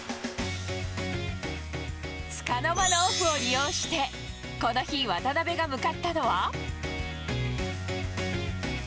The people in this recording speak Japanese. つかの間のオフを利用して、この日、渡邊が向かったのは。